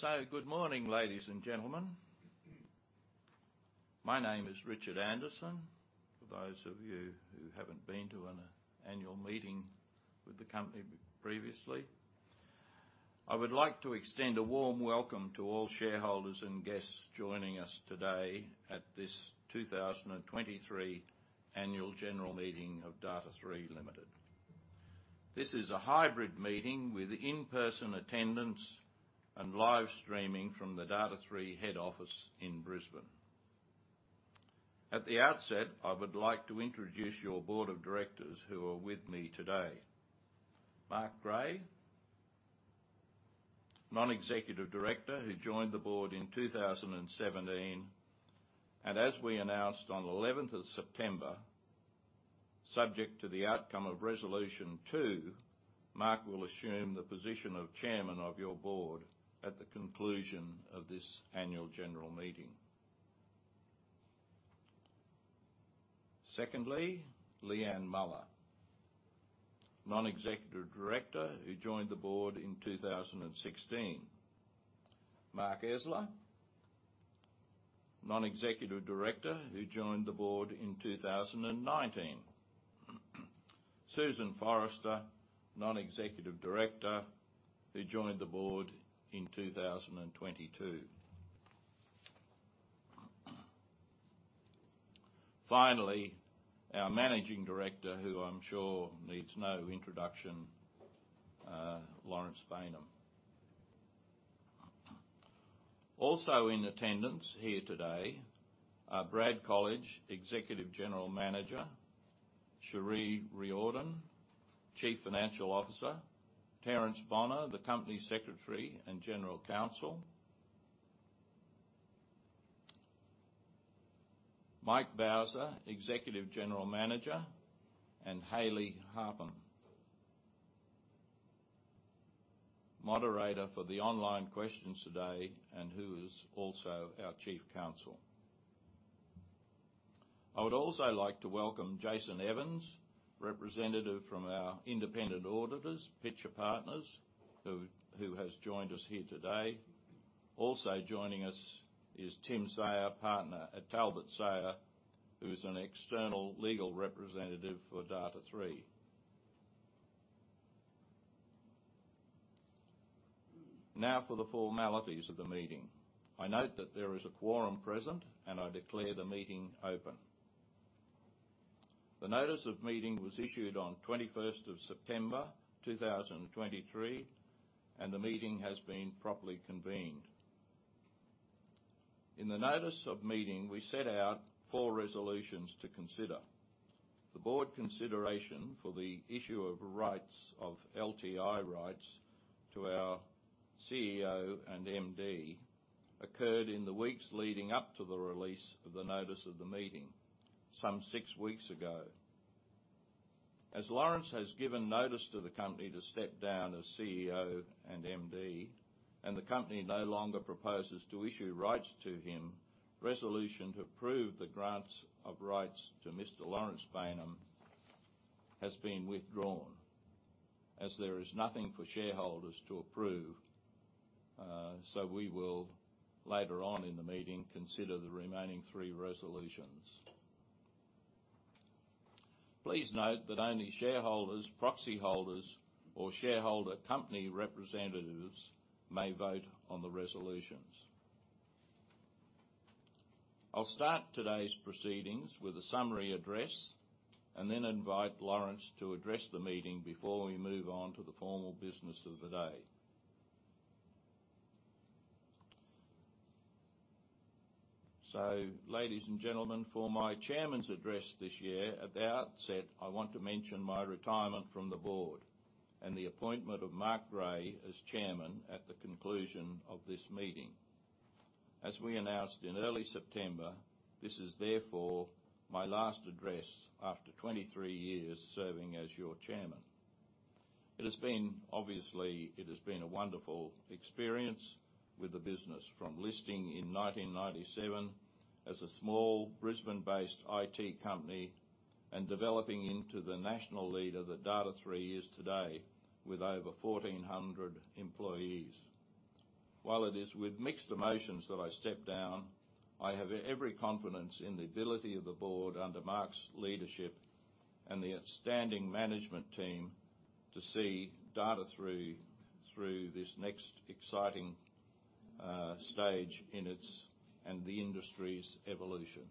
So good morning, ladies and gentlemen. My name is Richard Anderson, for those of you who haven't been to an annual meeting with the company previously. I would like to extend a warm welcome to all shareholders and guests joining us today at this 2023 Annual General Meeting of Data#3 Limited. This is a hybrid meeting with in-person attendance and live streaming from the Data#3 head office in Brisbane. At the outset, I would like to introduce your board of directors who are with me today. Mark Gray, Non-Executive Director, who joined the board in 2017, and as we announced on eleventh of September, subject to the outcome of Resolution 2, Mark will assume the position of Chairman of your board at the conclusion of this annual general meeting. Secondly, Leanne Muller, Non-Executive Director, who joined the board in 2016. Mark Esler, Non-Executive Director, who joined the board in 2019. Susan Forrester, Non-Executive Director, who joined the board in 2022. Finally, our Managing Director, who I'm sure needs no introduction, Laurence Baynham. Also in attendance here today are Brad Colledge, Executive General Manager; Cherie O'Riordan, Chief Financial Officer; Terence Bonner, the Company Secretary and General Counsel; Michael Bowser, Executive General Manager; and Hayley Hartin Moderator for the online questions today, and who is also our Chief Counsel. I would also like to welcome Jason Evans, representative from our independent auditors, Pitcher Partners, who has joined us here today. Also joining us is Tim Sayer, partner at Talbot Sayer, who is an external legal representative for Data#3. Now, for the formalities of the meeting. I note that there is a quorum present, and I declare the meeting open. The notice of meeting was issued on 21st of September, 2023, and the meeting has been properly convened. In the notice of meeting, we set out four resolutions to consider. The board consideration for the issue of rights of LTI rights to our CEO and MD occurred in the weeks leading up to the release of the notice of the meeting, some six weeks ago. As Laurence has given notice to the company to step down as CEO and MD, and the company no longer proposes to issue rights to him, resolution to approve the grants of rights to Mr. Laurence Baynham has been withdrawn, as there is nothing for shareholders to approve. So we will, later on in the meeting, consider the remaining three resolutions. Please note that only shareholders, proxy holders, or shareholder company representatives may vote on the resolutions. I'll start today's proceedings with a summary address and then invite Laurence to address the meeting before we move on to the formal business of the day. So ladies and gentlemen, for my chairman's address this year, at the outset, I want to mention my retirement from the board and the appointment of Mark Gray as chairman at the conclusion of this meeting. As we announced in early September, this is therefore my last address after 23 years serving as your chairman. It has been... Obviously, it has been a wonderful experience with the business, from listing in 1997 as a small Brisbane-based IT company and developing into the national leader that Data#3 is today, with over 1,400 employees. While it is with mixed emotions that I step down, I have every confidence in the ability of the board under Mark's leadership and the outstanding management team to see Data#3 through this next exciting stage in its and the industry's evolution.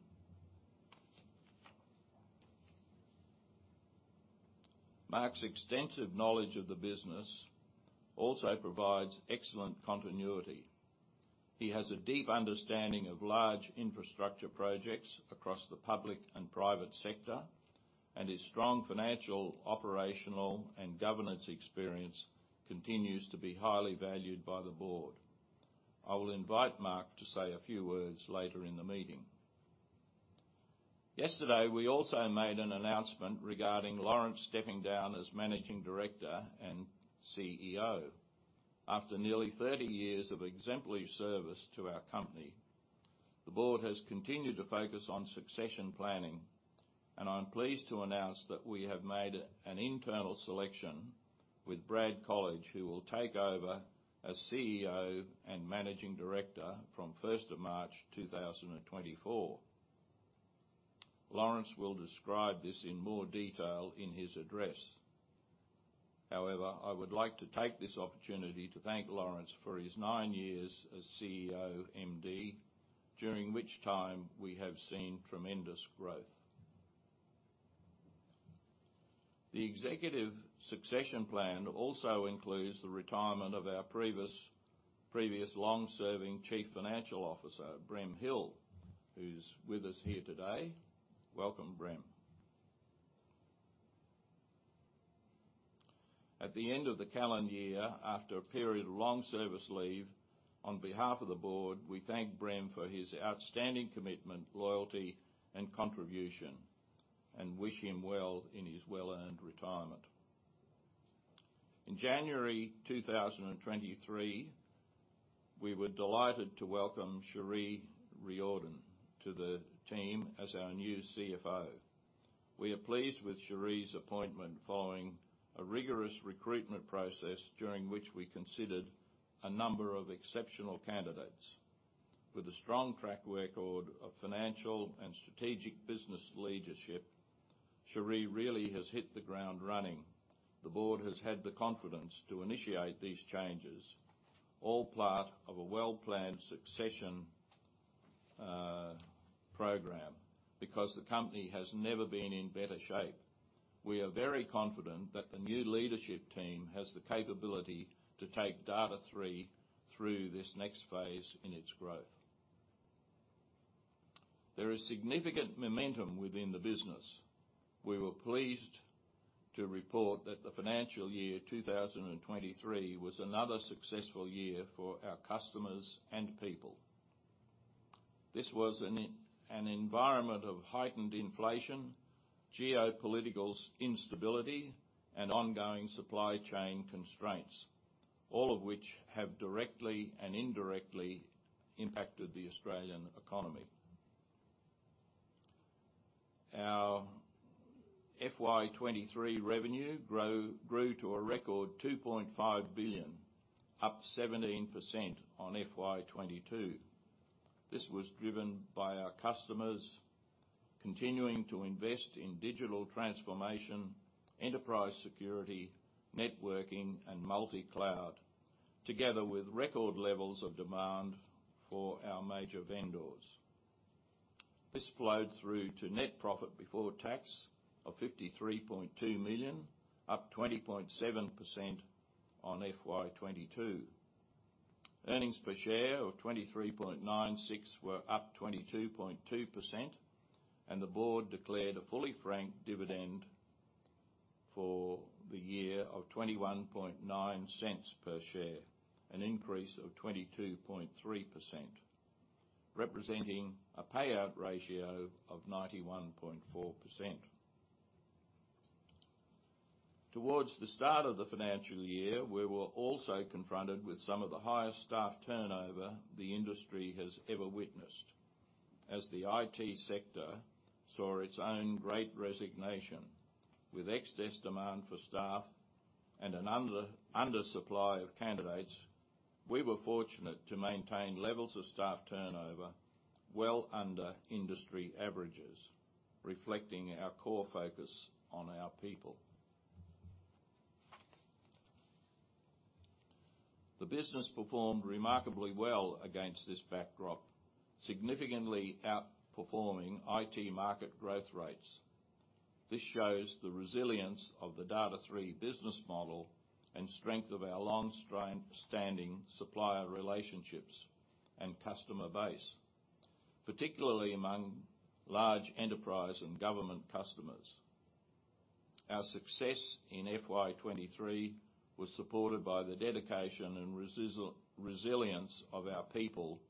Mark's extensive knowledge of the business also provides excellent continuity. He has a deep understanding of large infrastructure projects across the public and private sector, and his strong financial, operational, and governance experience continues to be highly valued by the board. I will invite Mark to say a few words later in the meeting. Yesterday, we also made an announcement regarding Laurence stepping down as Managing Director and CEO after nearly 30 years of exemplary service to our company. The board has continued to focus on succession planning, and I'm pleased to announce that we have made an internal selection with Brad Colledge, who will take over as CEO and Managing Director from 1 March 2024. Laurence will describe this in more detail in his address. However, I would like to take this opportunity to thank Laurence for his nine years as CEO MD, during which time we have seen tremendous growth. The executive succession plan also includes the retirement of our previous long-serving Chief Financial Officer, Brem Hill, who's with us here today. Welcome, Brem. At the end of the calendar year, after a period of long service leave, on behalf of the board, we thank Brem for his outstanding commitment, loyalty, and contribution, and wish him well in his well-earned retirement. In January 2023, we were delighted to welcome Cherie O'Riordan to the team as our new CFO. We are pleased with Cherie O'Riordan's appointment following a rigorous recruitment process, during which we considered a number of exceptional candidates. With a strong track record of financial and strategic business leadership, Cherie O'Riordan really has hit the ground running. The board has had the confidence to initiate these changes, all part of a well-planned succession program, because the company has never been in better shape. We are very confident that the new leadership team has the capability to take Data#3 through this next phase in its growth. There is significant momentum within the business. We were pleased to report that the financial year 2023 was another successful year for our customers and people. This was an environment of heightened inflation, geopolitical instability, and ongoing supply chain constraints, all of which have directly and indirectly impacted the Australian economy. Our FY 2023 revenue grew to a record 2.5 billion, up 17% on FY 2022. This was driven by our customers continuing to invest in digital transformation, enterprise security, networking, and multi-cloud, together with record levels of demand for our major vendors. This flowed through to net profit before tax of 53.2 million, up 20.7% on FY 2022. Earnings per share of 23.96 were up 22.2%, and the board declared a fully franked dividend for the year of 0.219 per share, an increase of 22.3%, representing a payout ratio of 91.4%. Towards the start of the financial year, we were also confronted with some of the highest staff turnover the industry has ever witnessed. As the IT sector saw its own great resignation, with excess demand for staff and an under supply of candidates, we were fortunate to maintain levels of staff turnover well under industry averages, reflecting our core focus on our people. The business performed remarkably well against this backdrop, significantly outperforming IT market growth rates. This shows the resilience of the Data#3 business model and strength of our long-standing supplier relationships and customer base, particularly among large enterprise and government customers. Our success in FY 2023 was supported by the dedication and resilience of our people,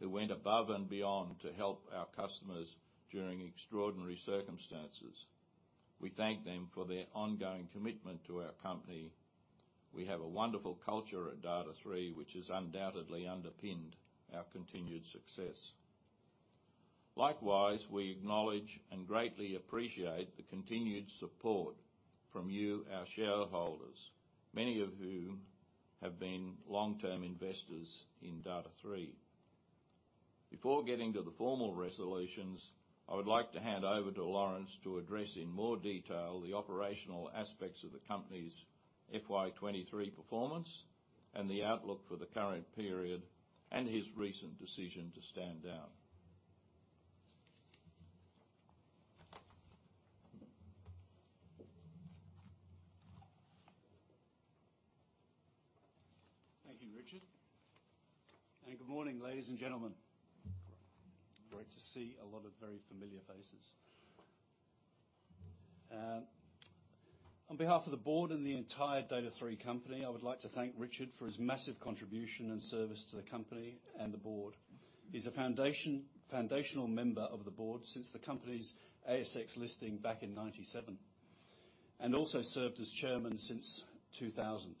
who went above and beyond to help our customers during extraordinary circumstances. We thank them for their ongoing commitment to our company. We have a wonderful culture at Data#3, which has undoubtedly underpinned our continued success. Likewise, we acknowledge and greatly appreciate the continued support from you, our shareholders, many of whom have been long-term investors in Data#3. Before getting to the formal resolutions, I would like to hand over to Laurence to address in more detail the operational aspects of the company's FY23 performance and the outlook for the current period, and his recent decision to stand down. Thank you, Richard, and good morning, ladies and gentlemen. Great to see a lot of very familiar faces. On behalf of the board and the entire Data#3 company, I would like to thank Richard for his massive contribution and service to the company and the board. He's a foundation-foundational member of the board since the company's ASX listing back in 1997... and also served as Chairman since 2000.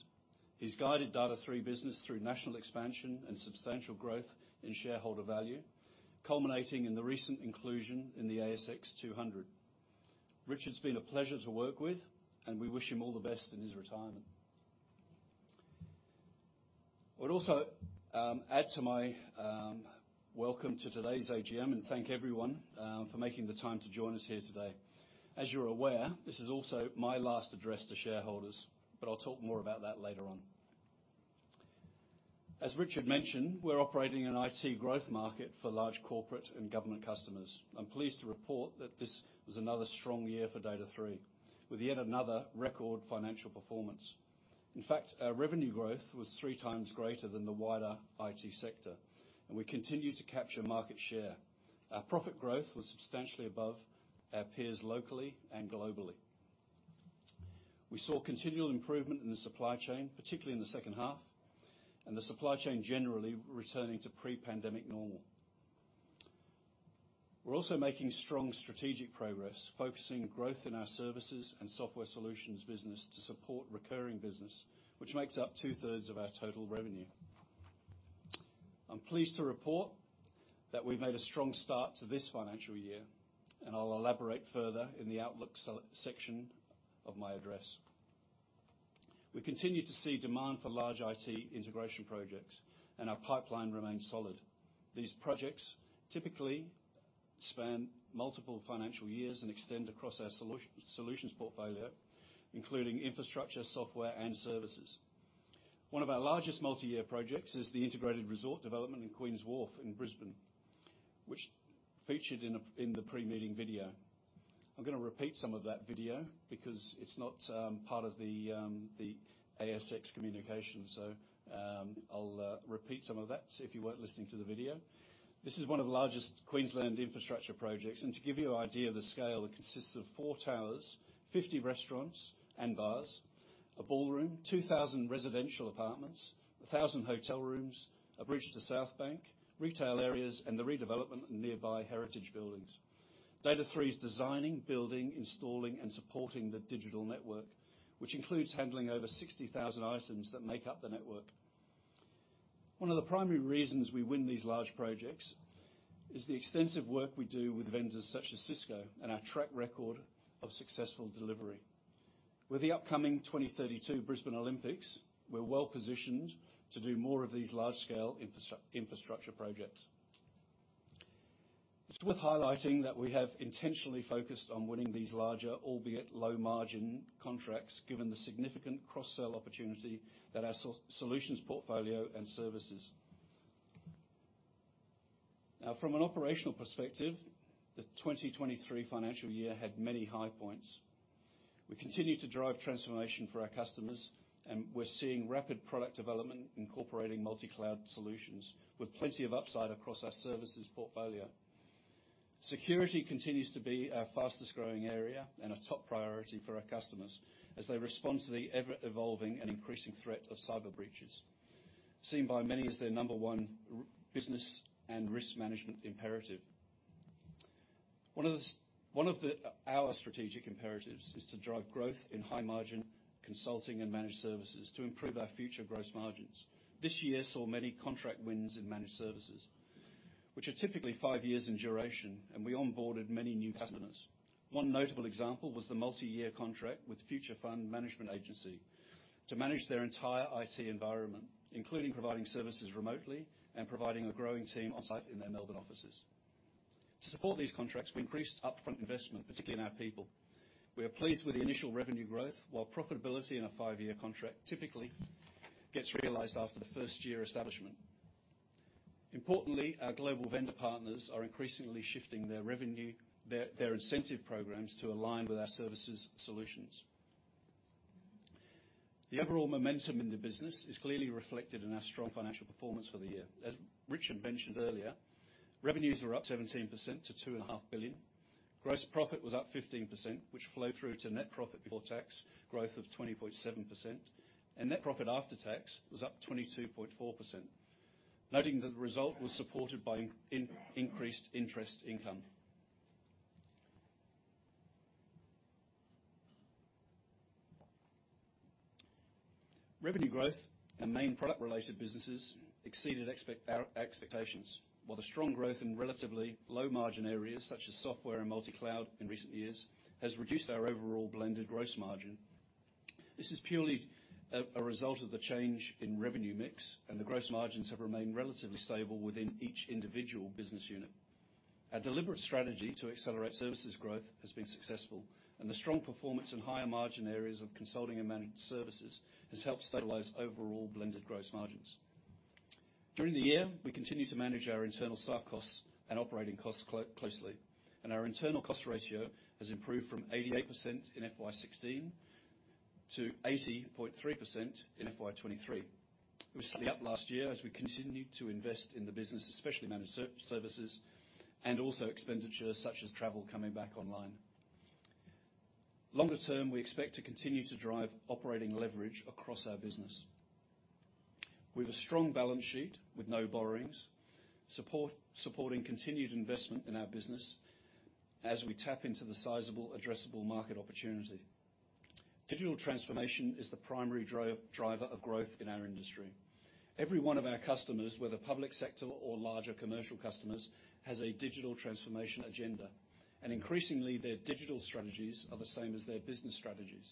He's guided Data#3 business through national expansion and substantial growth in shareholder value, culminating in the recent inclusion in the ASX 200. Richard's been a pleasure to work with, and we wish him all the best in his retirement. I would also add to my welcome to today's AGM and thank everyone for making the time to join us here today. As you're aware, this is also my last address to shareholders, but I'll talk more about that later on. As Richard mentioned, we're operating in an IT growth market for large corporate and government customers. I'm pleased to report that this was another strong year for Data#3, with yet another record financial performance. In fact, our revenue growth was three times greater than the wider IT sector, and we continue to capture market share. Our profit growth was substantially above our peers, locally and globally. We saw continual improvement in the supply chain, particularly in the second half, and the supply chain generally returning to pre-pandemic normal. We're also making strong strategic progress, focusing growth in our services and software solutions business to support recurring business, which makes up two-thirds of our total revenue. I'm pleased to report that we've made a strong start to this financial year, and I'll elaborate further in the outlook section of my address. We continue to see demand for large IT integration projects, and our pipeline remains solid. These projects typically span multiple financial years and extend across our solutions portfolio, including infrastructure, software, and services. One of our largest multi-year projects is the integrated resort development in Queen's Wharf in Brisbane, which featured in the pre-meeting video. I'm gonna repeat some of that video because it's not part of the ASX communication, so I'll repeat some of that. So if you weren't listening to the video. This is one of the largest Queensland infrastructure projects, and to give you an idea of the scale, it consists of 4 towers, 50 restaurants and bars, a ballroom, 2,000 residential apartments, 1,000 hotel rooms, a bridge to South Bank, retail areas, and the redevelopment of nearby heritage buildings. Data#3 is designing, building, installing, and supporting the digital network, which includes handling over 60,000 items that make up the network. One of the primary reasons we win these large projects is the extensive work we do with vendors such as Cisco and our track record of successful delivery. With the upcoming 2032 Brisbane Olympics, we're well-positioned to do more of these large-scale infrastructure projects. It's worth highlighting that we have intentionally focused on winning these larger, albeit low-margin contracts, given the significant cross-sell opportunity that our solutions portfolio and services. Now, from an operational perspective, the 2023 financial year had many high points. We continue to drive transformation for our customers, and we're seeing rapid product development incorporating multi-cloud solutions, with plenty of upside across our services portfolio. Security continues to be our fastest-growing area and a top priority for our customers as they respond to the ever-evolving and increasing threat of cyber breaches, seen by many as their number one business and risk management imperative. One of the one of the, our strategic imperatives is to drive growth in high-margin consulting and managed services to improve our future gross margins. This year saw many contract wins in managed services, which are typically five years in duration, and we onboarded many new customers. One notable example was the multi-year contract with Future Fund Management Agency to manage their entire IT environment, including providing services remotely and providing a growing team on-site in their Melbourne offices. To support these contracts, we increased upfront investment, particularly in our people. We are pleased with the initial revenue growth, while profitability in a five-year contract typically gets realized after the first year establishment. Importantly, our global vendor partners are increasingly shifting their revenue, their incentive programs to align with our services solutions. The overall momentum in the business is clearly reflected in our strong financial performance for the year. As Richard mentioned earlier, revenues are up 17% to 2.5 billion. Gross profit was up 15%, which flow through to net profit before tax, growth of 20.7%, and net profit after tax was up 22.4%. Noting that the result was supported by increased interest income. Revenue growth and main product-related businesses exceeded our expectations, while the strong growth in relatively low-margin areas, such as software and multi-cloud in recent years, has reduced our overall blended gross margin. This is purely a result of the change in revenue mix, and the gross margins have remained relatively stable within each individual business unit. Our deliberate strategy to accelerate services growth has been successful, and the strong performance in higher-margin areas of consulting and managed services has helped stabilize overall blended gross margins. During the year, we continued to manage our internal staff costs and operating costs closely, and our internal cost ratio has improved from 88% in FY 2016 to 80.3% in FY 2023. We're slightly up last year as we continued to invest in the business, especially managed services, and also expenditure, such as travel, coming back online. Longer term, we expect to continue to drive operating leverage across our business. We have a strong balance sheet with no borrowings, supporting continued investment in our business as we tap into the sizable addressable market opportunity. Digital transformation is the primary driver of growth in our industry. Every one of our customers, whether public sector or larger commercial customers, has a digital transformation agenda, and increasingly, their digital strategies are the same as their business strategies.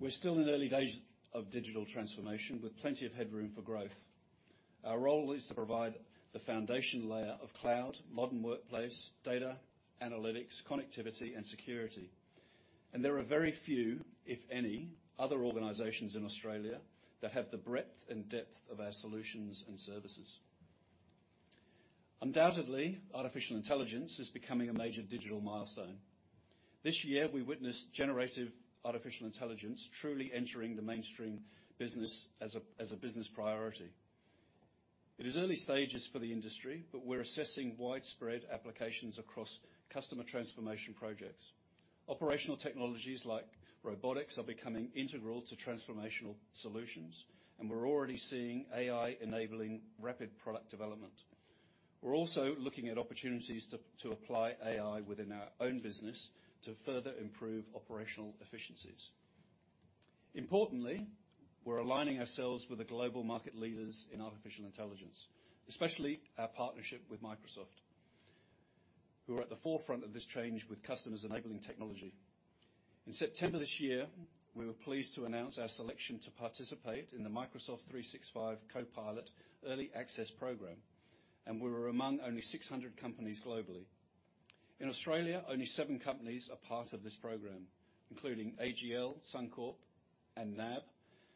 We're still in the early days of digital transformation, with plenty of headroom for growth. Our role is to provide the foundation layer of cloud, modern workplace, data, analytics, connectivity, and security. There are very few, if any, other organizations in Australia that have the breadth and depth of our solutions and services. Undoubtedly, artificial intelligence is becoming a major digital milestone. This year, we witnessed generative artificial intelligence truly entering the mainstream business as a, as a business priority. It is early stages for the industry, but we're assessing widespread applications across customer transformation projects. Operational technologies like robotics are becoming integral to transformational solutions, and we're already seeing AI enabling rapid product development. We're also looking at opportunities to, to apply AI within our own business to further improve operational efficiencies. Importantly, we're aligning ourselves with the global market leaders in artificial intelligence, especially our partnership with Microsoft, who are at the forefront of this change with customers enabling technology. In September this year, we were pleased to announce our selection to participate in the Microsoft 365 Copilot Early Access Program, and we were among only 600 companies globally. In Australia, only seven companies are part of this program, including AGL, Suncorp, and NAB,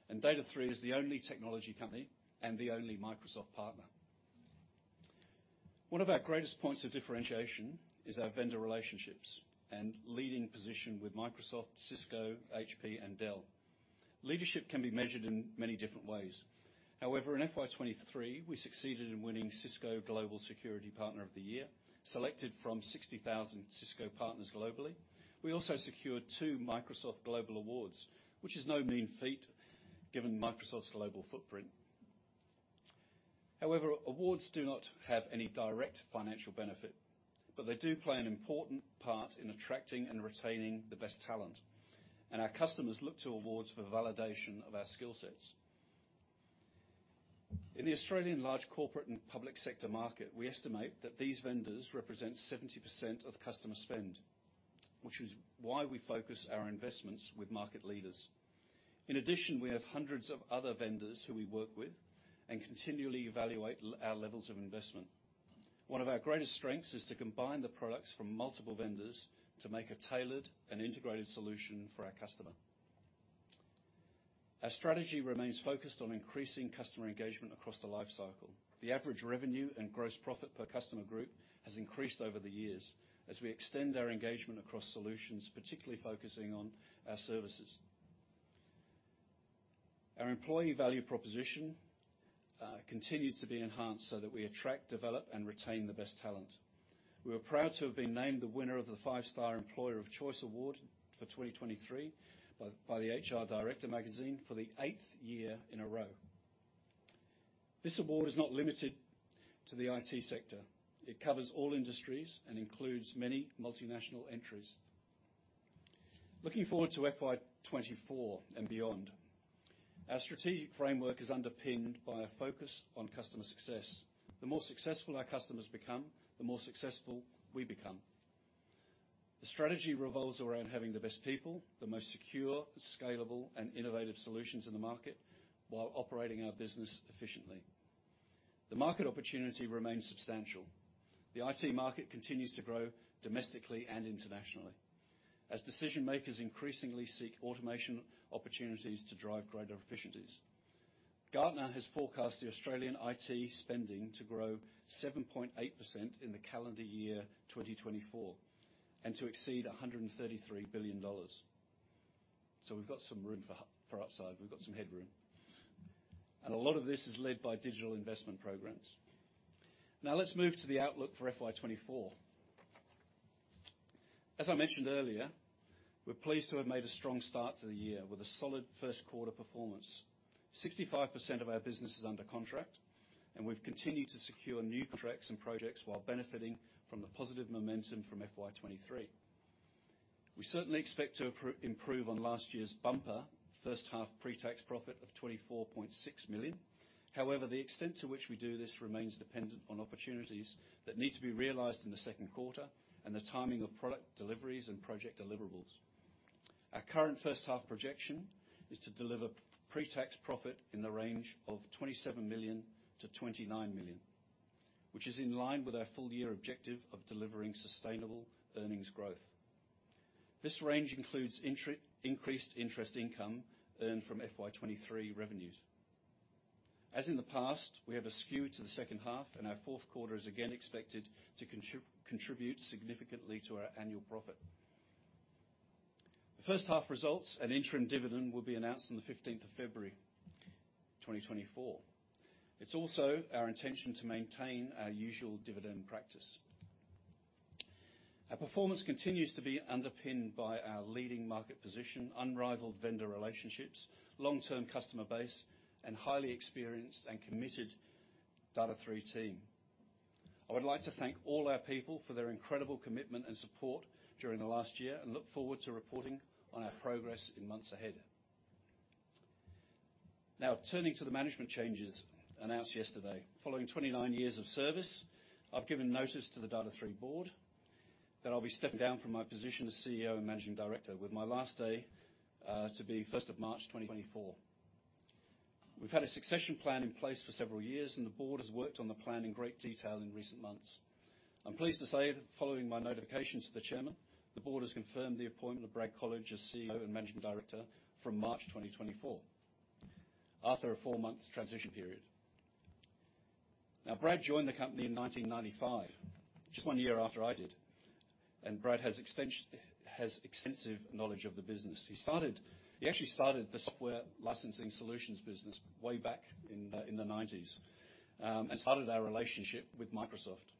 and Data#3 is the only technology company and the only Microsoft partner. One of our greatest points of differentiation is our vendor relationships and leading position with Microsoft, Cisco, HP, and Dell. Leadership can be measured in many different ways. However, in FY 2023, we succeeded in winning Cisco Global Security Partner of the Year, selected from 60,000 Cisco partners globally. We also secured two Microsoft Global Awards, which is no mean feat given Microsoft's global footprint. However, awards do not have any direct financial benefit, but they do play an important part in attracting and retaining the best talent, and our customers look to awards for validation of our skill sets. In the Australian large corporate and public sector market, we estimate that these vendors represent 70% of customer spend, which is why we focus our investments with market leaders. In addition, we have hundreds of other vendors who we work with and continually evaluate our levels of investment. One of our greatest strengths is to combine the products from multiple vendors to make a tailored and integrated solution for our customer. Our strategy remains focused on increasing customer engagement across the lifecycle. The average revenue and gross profit per customer group has increased over the years as we extend our engagement across solutions, particularly focusing on our services. Our employee value proposition continues to be enhanced so that we attract, develop, and retain the best talent. We are proud to have been named the winner of the Five-Star Employer of Choice Award for 2023 by the HR Director Magazine for the eighth year in a row. This award is not limited to the IT sector. It covers all industries and includes many multinational entries. Looking forward to FY 2024 and beyond, our strategic framework is underpinned by a focus on customer success. The more successful our customers become, the more successful we become. The strategy revolves around having the best people, the most secure, scalable, and innovative solutions in the market, while operating our business efficiently. The market opportunity remains substantial. The IT market continues to grow domestically and internationally, as decision-makers increasingly seek automation opportunities to drive greater efficiencies. Gartner has forecast the Australian IT spending to grow 7.8% in the calendar year 2024 and to exceed 133 billion dollars. So we've got some room for upside. We've got some headroom, and a lot of this is led by digital investment programs. Now, let's move to the outlook for FY 2024. As I mentioned earlier, we're pleased to have made a strong start to the year with a solid first quarter performance. 65% of our business is under contract, and we've continued to secure new contracts and projects while benefiting from the positive momentum from FY 2023. We certainly expect to improve on last year's bumper first half pre-tax profit of 24.6 million. However, the extent to which we do this remains dependent on opportunities that need to be realized in the second quarter and the timing of product deliveries and project deliverables. Our current first half projection is to deliver pre-tax profit in the range of 27 million-29 million, which is in line with our full year objective of delivering sustainable earnings growth. This range includes increased interest income earned from FY 2023 revenues. As in the past, we have a skew to the second half, and our fourth quarter is again expected to contribute significantly to our annual profit. The first half results and interim dividend will be announced on the fifteenth of February 2024. It's also our intention to maintain our usual dividend practice.... Our performance continues to be underpinned by our leading market position, unrivaled vendor relationships, long-term customer base, and highly experienced and committed Data#3 team. I would like to thank all our people for their incredible commitment and support during the last year, and look forward to reporting on our progress in months ahead. Now, turning to the management changes announced yesterday. Following 29 years of service, I've given notice to the Data#3 board that I'll be stepping down from my position as CEO and Managing Director, with my last day to be 1st of March 2024. We've had a succession plan in place for several years, and the board has worked on the plan in great detail in recent months. I'm pleased to say, that following my notification to the chairman, the board has confirmed the appointment of Brad Colledge as CEO and Managing Director from March 2024, after a four-month transition period. Now, Brad joined the company in 1995, just one year after I did, and Brad has extensive knowledge of the business. He actually started the software licensing solutions business way back in the nineties, and started our relationship with Microsoft.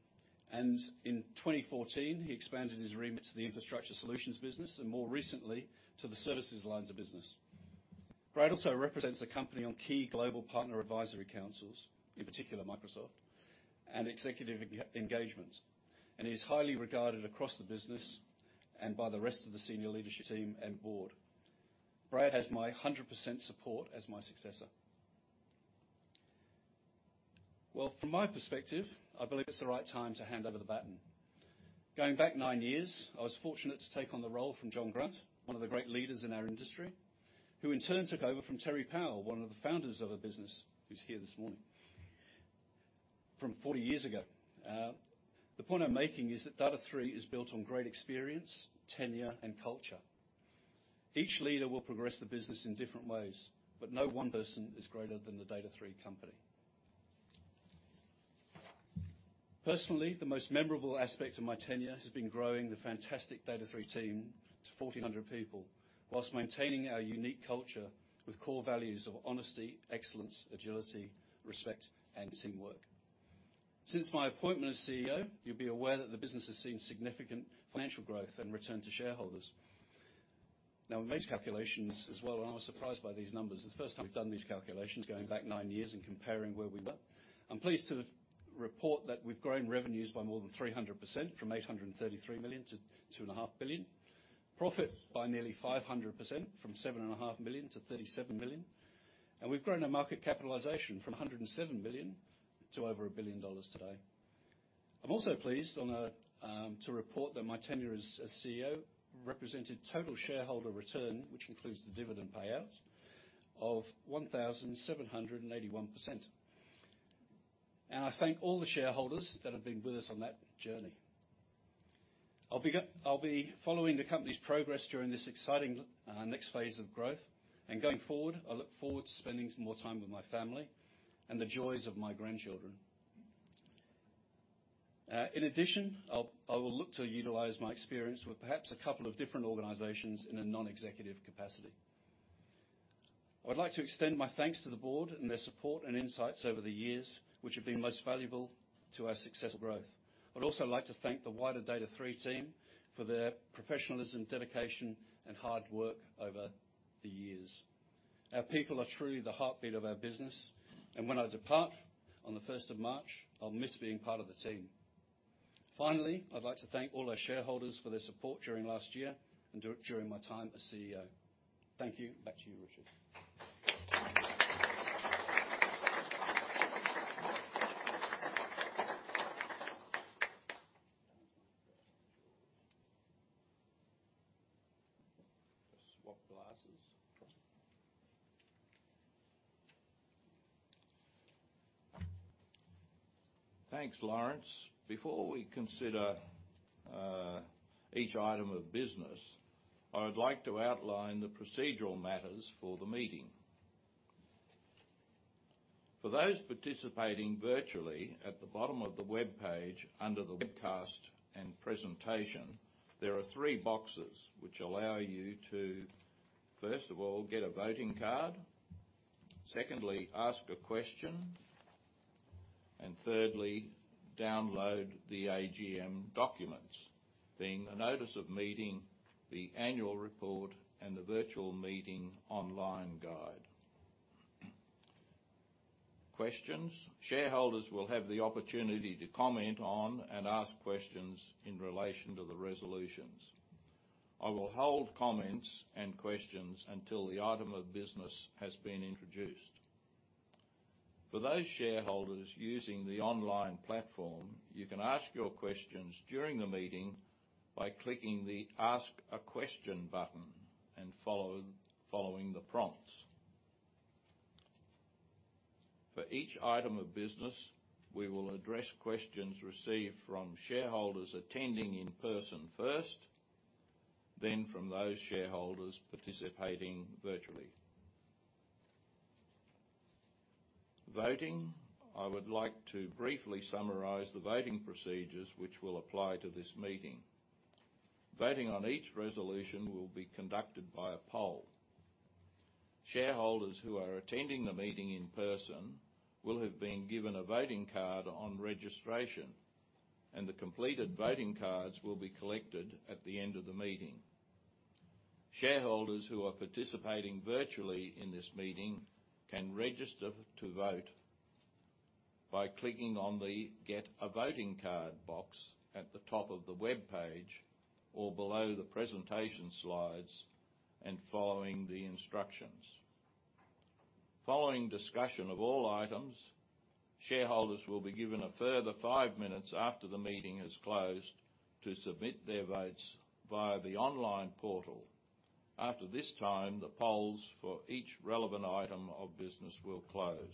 And in 2014, he expanded his remit to the infrastructure solutions business, and more recently, to the services lines of business. Brad also represents the company on key global partner advisory councils, in particular, Microsoft, and executive engagements, and he's highly regarded across the business and by the rest of the senior leadership team and board. Brad has my 100% support as my successor. Well, from my perspective, I believe it's the right time to hand over the baton. Going back nine years, I was fortunate to take on the role from John Grant, one of the great leaders in our industry, who in turn took over from Terry Powell, one of the founders of the business, who's here this morning, from 40 years ago. The point I'm making is that Data#3 is built on great experience, tenure, and culture. Each leader will progress the business in different ways, but no one person is greater than the Data#3 company. Personally, the most memorable aspect of my tenure has been growing the fantastic Data#3 team to 1,400 people, while maintaining our unique culture with core values of honesty, excellence, agility, respect, and teamwork. Since my appointment as CEO, you'll be aware that the business has seen significant financial growth and return to shareholders. Now, we've made calculations as well, and I was surprised by these numbers. It's the first time we've done these calculations, going back nine years and comparing where we were. I'm pleased to report that we've grown revenues by more than 300%, from 833 million to 2.5 billion. Profit by nearly 500%, from 7.5 million to 37 million. And we've grown our market capitalization from 107 billion to over 1 billion dollars today. I'm also pleased on a, to report that my tenure as, as CEO represented total shareholder return, which includes the dividend payout of 1,781%. And I thank all the shareholders that have been with us on that journey. I'll be following the company's progress during this exciting next phase of growth, and going forward, I look forward to spending some more time with my family and the joys of my grandchildren. In addition, I will look to utilize my experience with perhaps a couple of different organizations in a non-executive capacity. I would like to extend my thanks to the board and their support and insights over the years, which have been most valuable to our successful growth. I'd also like to thank the wider Data#3 team for their professionalism, dedication, and hard work over the years. Our people are truly the heartbeat of our business, and when I depart on the 1st of March, I'll miss being part of the team. Finally, I'd like to thank all our shareholders for their support during last year and during my time as CEO. Thank you. Back to you, Richard. Swap glasses. Thanks, Laurence. Before we consider each item of business, I would like to outline the procedural matters for the meeting. For those participating virtually, at the bottom of the webpage, under the webcast and presentation, there are three boxes which allow you to, first of all, get a voting card, secondly, ask a question, and thirdly, download the AGM documents, being the notice of meeting, the annual report, and the virtual meeting online guide. Questions. Shareholders will have the opportunity to comment on and ask questions in relation to the resolutions. I will hold comments and questions until the item of business has been introduced. For those shareholders using the online platform, you can ask your questions during the meeting by clicking the Ask a Question button and following the prompts. For each item of business, we will address questions received from shareholders attending in person first, then from those shareholders participating virtually. Voting. I would like to briefly summarize the voting procedures which will apply to this meeting. Voting on each resolution will be conducted by a poll. Shareholders who are attending the meeting in person will have been given a voting card on registration, and the completed voting cards will be collected at the end of the meeting. Shareholders who are participating virtually in this meeting can register to vote by clicking on the Get a Voting Card box at the top of the webpage or below the presentation slides, and following the instructions. Following discussion of all items, shareholders will be given a further five minutes after the meeting is closed to submit their votes via the online portal. After this time, the polls for each relevant item of business will close.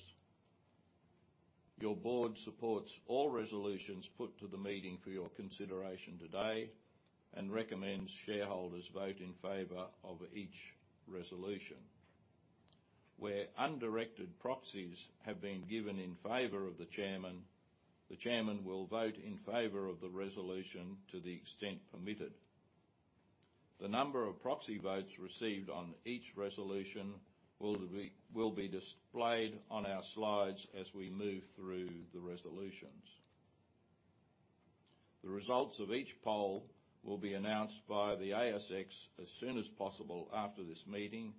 Your board supports all resolutions put to the meeting for your consideration today and recommends shareholders vote in favor of each resolution. Where undirected proxies have been given in favor of the chairman, the chairman will vote in favor of the resolution to the extent permitted. The number of proxy votes received on each resolution will be displayed on our slides as we move through the resolutions. The results of each poll will be announced by the ASX as soon as possible after this meeting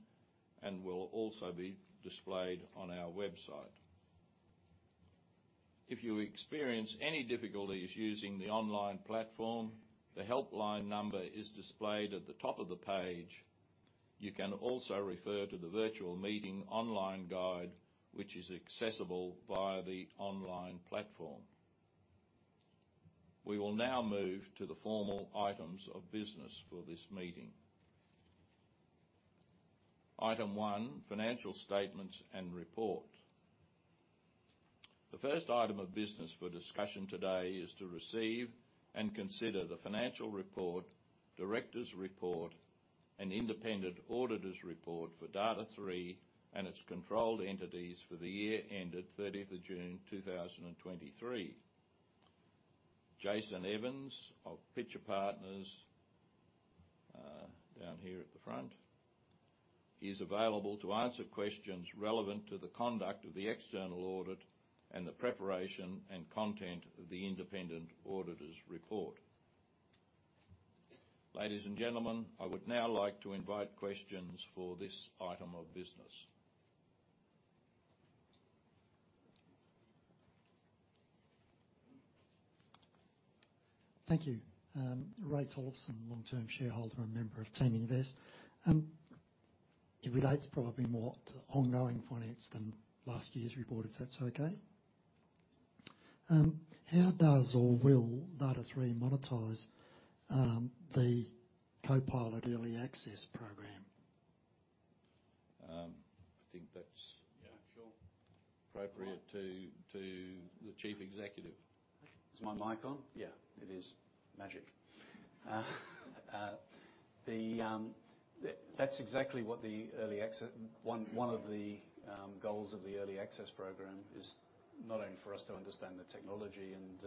and will also be displayed on our website. If you experience any difficulties using the online platform, the helpline number is displayed at the top of the page. You can also refer to the virtual meeting online guide, which is accessible via the online platform. We will now move to the formal items of business for this meeting. Item one, financial statements and report. The first item of business for discussion today is to receive and consider the financial report, directors' report, and independent auditors' report for Data#3 and its controlled entities for the year ended 30th of June, 2023. Jason Evans of Pitcher Partners, down here at the front, is available to answer questions relevant to the conduct of the external audit and the preparation and content of the independent auditors' report. Ladies and gentlemen, I would now like to invite questions for this item of business. Thank you. Ray Tollefson, long-term shareholder and member of Teaminvest. It relates probably more to ongoing finance than last year's report, if that's okay? How does or will Data#3 monetize the Copilot Early Access program? I think that's- Yeah, sure. Appropriate to the Chief Executive. Is my mic on? Yeah, it is. Magic. That's exactly what the early access... One of the goals of the Early Access program is not only for us to understand the technology and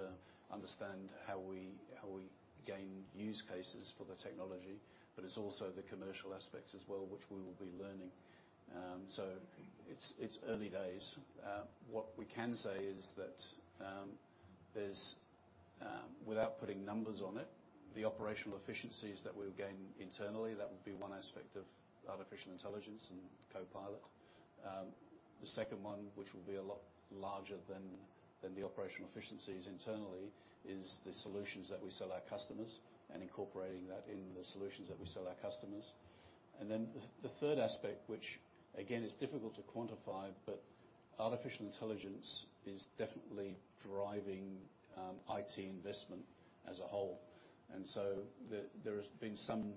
understand how we, how we gain use cases for the technology, but it's also the commercial aspects as well, which we will be learning. So it's early days. What we can say is that, there's... Without putting numbers on it, the operational efficiencies that we'll gain internally, that would be one aspect of artificial intelligence and Copilot. The second one, which will be a lot larger than the operational efficiencies internally, is the solutions that we sell our customers and incorporating that in the solutions that we sell our customers. Then the third aspect, which again, is difficult to quantify, but artificial intelligence is definitely driving IT investment as a whole. And so there has been some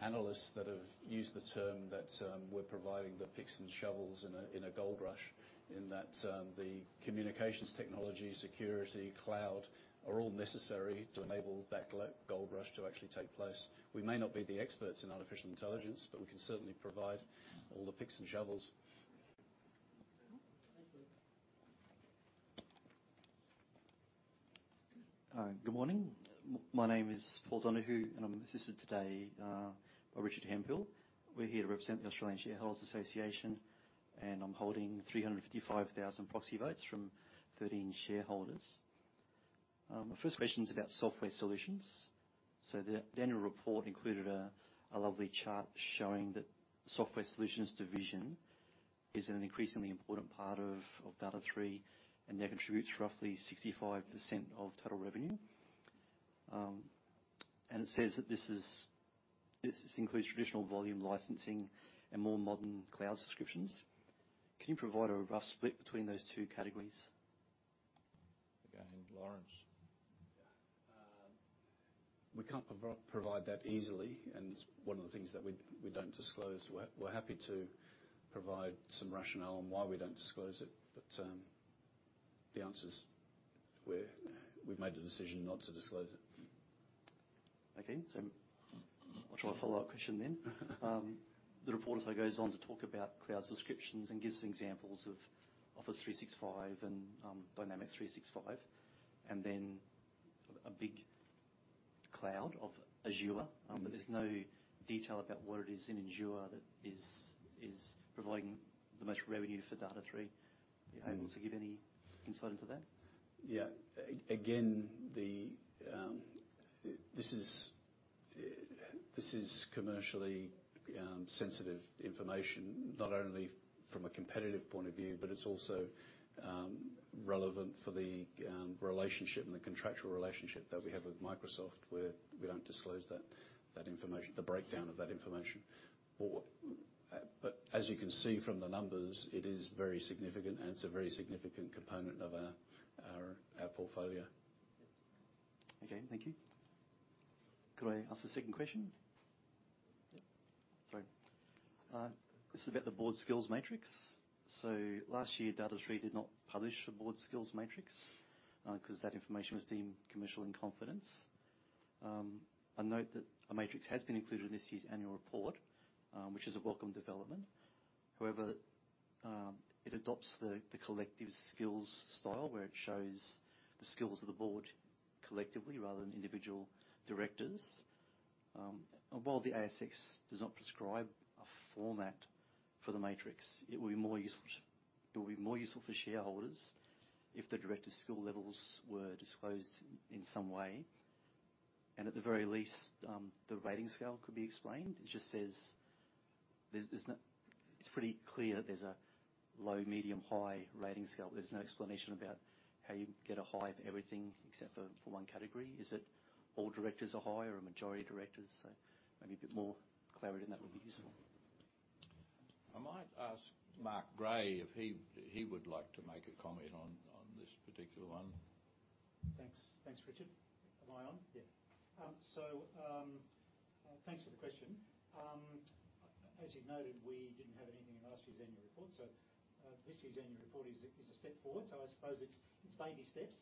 analysts that have used the term that we're providing the picks and shovels in a gold rush, in that the communications technology, security, cloud, are all necessary to enable that gold rush to actually take place. We may not be the experts in artificial intelligence, but we can certainly provide all the picks and shovels. Thank you. Good morning. My name is Paul Donohoe, and I'm assisted today by Richard Hemphill. We're here to represent the Australian Shareholders Association, and I'm holding 355,000 proxy votes from 13 shareholders. My first question is about software solutions. So the annual report included a lovely chart showing that Software Solutions division is an increasingly important part of Data#3, and now contributes roughly 65% of total revenue. And it says that this is, this includes traditional volume licensing and more modern cloud subscriptions. Can you provide a rough split between those two categories? Again, Laurence? We can't provide that easily, and it's one of the things that we don't disclose. We're happy to provide some rationale on why we don't disclose it, but the answer is we've made a decision not to disclose it. Okay. So I'll try a follow-up question then. The report also goes on to talk about cloud subscriptions and gives examples of Office 365 and Dynamics 365, and then a big cloud of Azure. But there's no detail about what it is in Azure that is providing the most revenue for Data#3. Are you able to give any insight into that? Yeah. This is commercially sensitive information, not only from a competitive point of view, but it's also relevant for the relationship and the contractual relationship that we have with Microsoft, where we don't disclose that information, the breakdown of that information. But as you can see from the numbers, it is very significant, and it's a very significant component of our portfolio. Okay, thank you. Could I ask a second question? Sorry. This is about the board skills matrix. So last year, Data#3 did not publish a board skills matrix, 'cause that information was deemed commercial in confidence. I note that a matrix has been included in this year's annual report, which is a welcome development. However, it adopts the collective skills style, where it shows the skills of the board collectively rather than individual directors. While the ASX does not prescribe a format for the matrix, it will be more useful, it will be more useful for shareholders if the directors' skill levels were disclosed in some way, and at the very least, the rating scale could be explained. It just says there's a low, medium, high rating scale. There's no explanation about how you get a high for everything except for one category. Is it all directors are high or a majority of directors? So maybe a bit more clarity in that would be useful. I might ask Mark Gray if he would like to make a comment on this particular one. Thanks. Thanks, Richard. Am I on? Yeah. So, thanks for the question. As you noted, we didn't have anything in last year's annual report, so, this year's annual report is a step forward. So I suppose it's baby steps.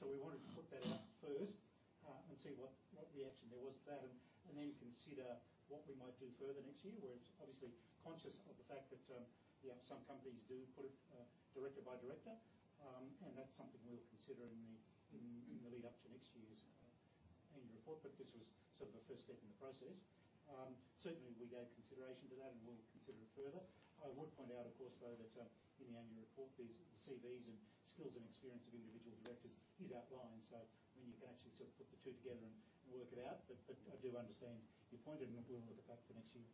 So we wanted to put that out first, and see what reaction there was to that, and then consider what we might do further next year. We're obviously conscious of the fact that, yeah, some companies do put it, director by director. And that's something we'll consider in the lead up to next year's annual report, but this was sort of a first step in the process. Certainly, we gave consideration to that, and we'll consider it further. I would point out, of course, though, that in the annual report, the CVs and skills and experience of individual directors is outlined, so I mean, you can actually sort of put the two together and, and work it out. But, but I do understand your point, and we'll look at that for next year.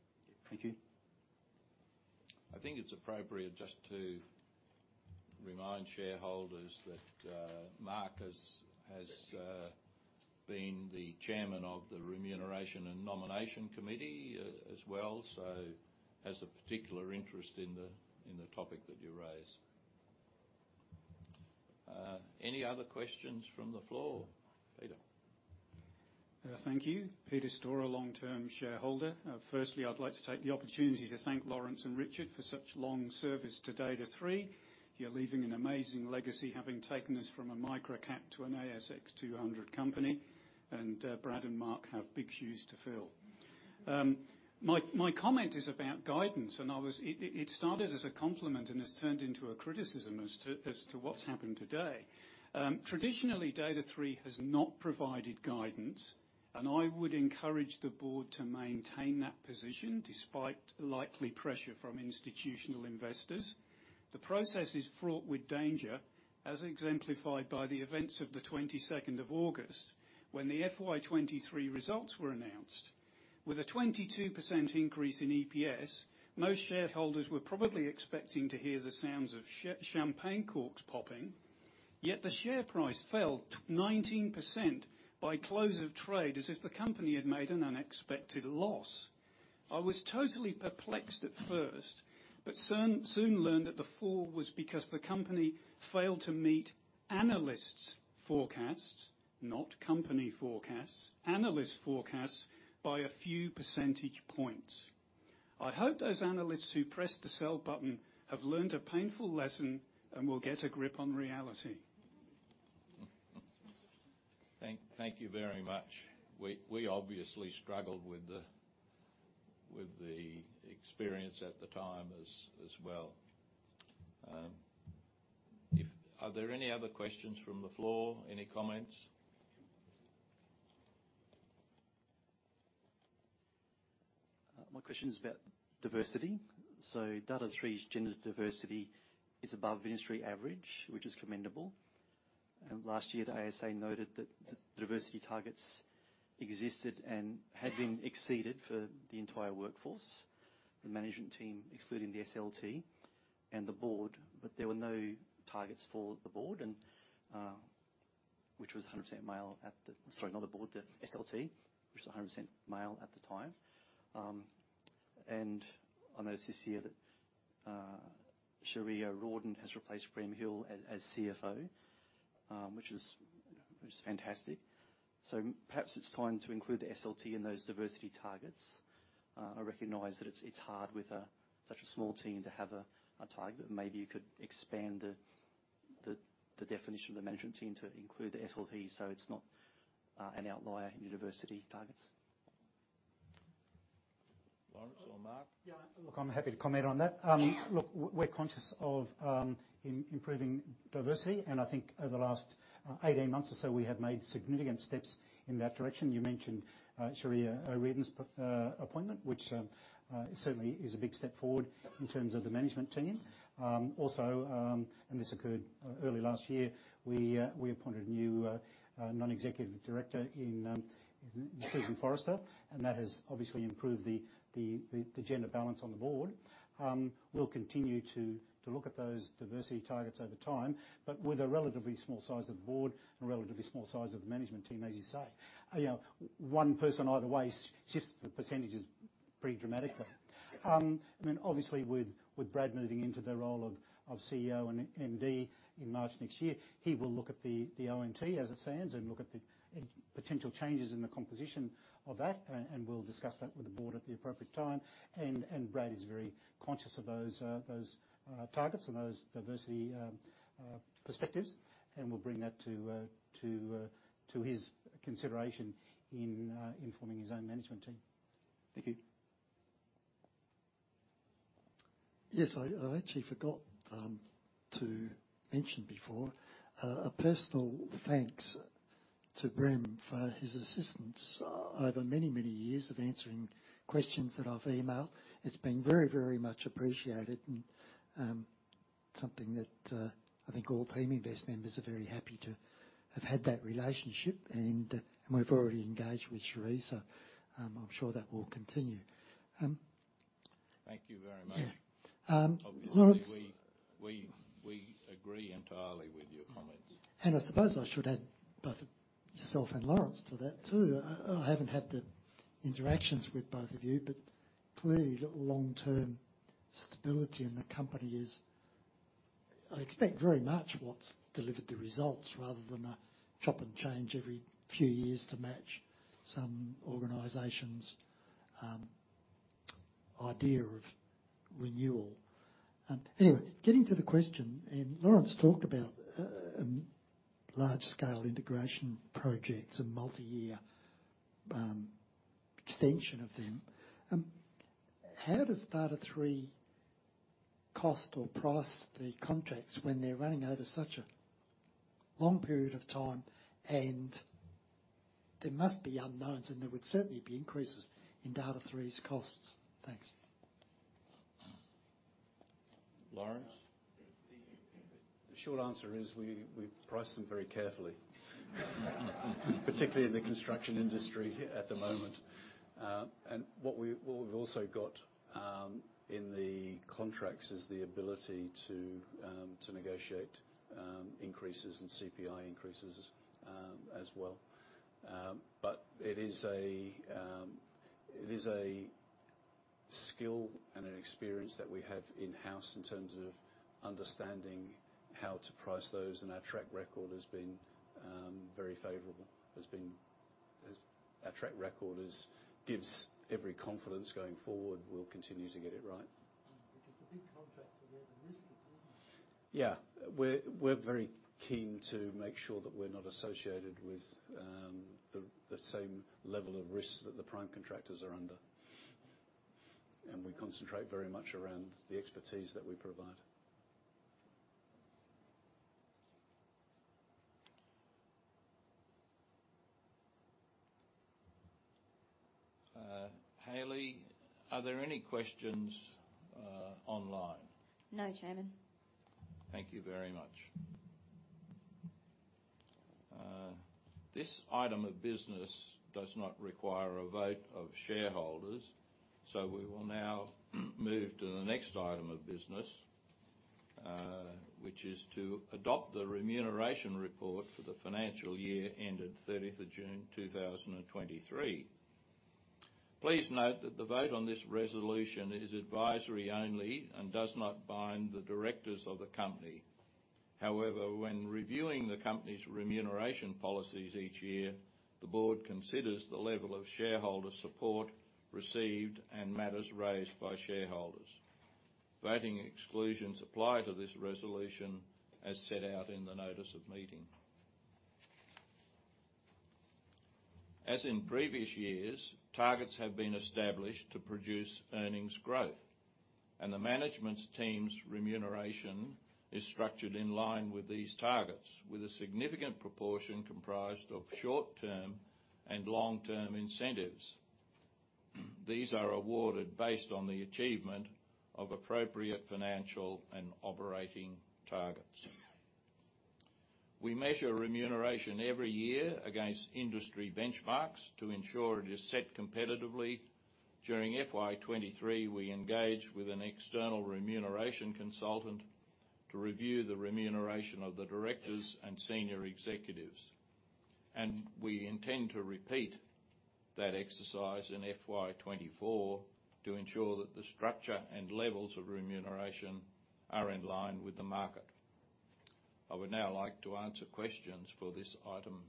Thank you. I think it's appropriate just to remind shareholders that Mark has been the chairman of the Remuneration and Nomination Committee as well, so has a particular interest in the topic that you raised. Any other questions from the floor? Peter. Thank you. Peter Storer, long-term shareholder. Firstly, I'd like to take the opportunity to thank Laurence and Richard for such long service to Data#3. You're leaving an amazing legacy, having taken us from a micro cap to an ASX 200 company, and Brad and Mark have big shoes to fill. My comment is about guidance, and it started as a compliment and has turned into a criticism as to what's happened today. Traditionally, Data#3 has not provided guidance, and I would encourage the board to maintain that position despite likely pressure from institutional investors. The process is fraught with danger, as exemplified by the events of the 22nd of August, when the FY 2023 results were announced. With a 22% increase in EPS, most shareholders were probably expecting to hear the sounds of champagne corks popping, yet the share price fell 19% by close of trade, as if the company had made an unexpected loss. I was totally perplexed at first, but soon, soon learned that the fall was because the company failed to meet analysts' forecasts, not company forecasts, analysts' forecasts by a few percentage points. I hope those analysts who pressed the sell button have learned a painful lesson and will get a grip on reality. Thank you very much. We obviously struggled with the experience at the time as well. If... Are there any other questions from the floor? Any comments? My question is about diversity. So Data#3's gender diversity is above industry average, which is commendable. And last year, the ASA noted that the diversity targets existed and had been exceeded for the entire workforce, the management team, excluding the SLT and the board. But there were no targets for the board and, which was 100% male at the... Sorry, not the board, the SLT, which was 100% male at the time. And I noticed this year that, Cherie O'Riordan has replaced Brem Hill as CFO, which is fantastic. So perhaps it's time to include the SLT in those diversity targets. I recognize that it's hard with such a small team to have a target, but maybe you could expand the definition of the management team to include the SLT, so it's not an outlier in diversity targets. ... Yeah, look, I'm happy to comment on that. We're conscious of improving diversity, and I think over the last 18 months or so, we have made significant steps in that direction. You mentioned Cherie O'Riordan's appointment, which certainly is a big step forward in terms of the management team. Also, and this occurred early last year, we appointed a new non-executive director in Susan Forrester, and that has obviously improved the gender balance on the board. We'll continue to look at those diversity targets over time, but with a relatively small size of the board and a relatively small size of the management team, as you say. You know, one person either way shifts the percentages pretty dramatically. I mean, obviously, with Brad moving into the role of CEO and MD in March next year, he will look at the OMT as it stands and look at any potential changes in the composition of that, and we'll discuss that with the board at the appropriate time. And Brad is very conscious of those targets and those diversity perspectives, and we'll bring that to his consideration in informing his own management team. Thank you. Yes, I actually forgot to mention before a personal thanks to Brem for his assistance over many, many years of answering questions that I've emailed. It's been very, very much appreciated and something that I think all Team Invest members are very happy to have had that relationship, and we've already engaged with Cherie, so I'm sure that will continue. Thank you very much. Yeah. Laurence- Obviously, we agree entirely with your comments. And I suppose I should add both yourself and Laurence to that, too. I haven't had the interactions with both of you, but clearly, the long-term stability in the company is, I expect, very much what's delivered the results, rather than a chop and change every few years to match some organization's idea of renewal. Anyway, getting to the question, and Laurence talked about large scale integration projects and multi-year extension of them. How does Data#3 cost or price the contracts when they're running over such a long period of time? And there must be unknowns, and there would certainly be increases in Data#3's costs. Thanks. Laurence? The short answer is we price them very carefully. Particularly in the construction industry at the moment. And what we've also got in the contracts is the ability to negotiate increases in CPI increases as well. But it is a skill and an experience that we have in-house in terms of understanding how to price those, and our track record has been very favorable. Has been... As our track record is, gives every confidence going forward, we'll continue to get it right. Because the big contracts are the risks, isn't it? Yeah. We're very keen to make sure that we're not associated with the same level of risk that the prime contractors are under. And we concentrate very much around the expertise that we provide. Hayley, are there any questions online? No, Chairman. Thank you very much. This item of business does not require a vote of shareholders, so we will now move to the next item of business, which is to adopt the remuneration report for the financial year ended 30th of June 2023. Please note that the vote on this resolution is advisory only and does not bind the directors of the company. However, when reviewing the company's remuneration policies each year, the board considers the level of shareholder support received and matters raised by shareholders. Voting exclusions apply to this resolution as set out in the notice of meeting. As in previous years, targets have been established to produce earnings growth, and the management team's remuneration is structured in line with these targets, with a significant proportion comprised of short-term and long-term incentives. These are awarded based on the achievement of appropriate financial and operating targets. We measure remuneration every year against industry benchmarks to ensure it is set competitively. During FY 2023, we engaged with an external remuneration consultant to review the remuneration of the directors and senior executives, and we intend to repeat that exercise in FY 2024 to ensure that the structure and levels of remuneration are in line with the market. I would now like to answer questions for this item,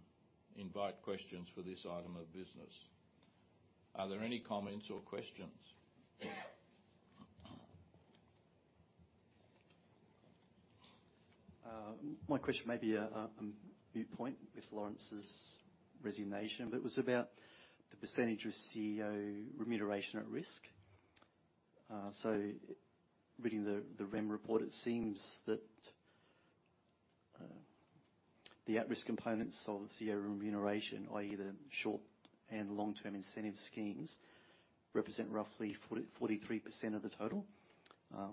invite questions for this item of business. Are there any comments or questions?... My question may be in view of Laurence's resignation, but it was about the percentage of CEO remuneration at risk. So reading the REM report, it seems that the at-risk components of the CEO remuneration, i.e., the short and long-term incentive schemes, represent roughly 43% of the total.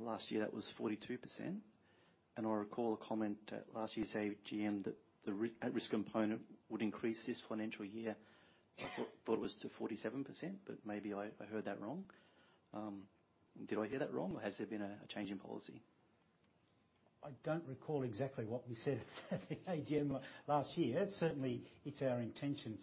Last year that was 42%. And I recall a comment at last year's AGM that the at-risk component would increase this financial year. I thought it was to 47%, but maybe I heard that wrong. Did I hear that wrong, or has there been a change in policy? I don't recall exactly what we said at the AGM last year. Certainly, it's our intention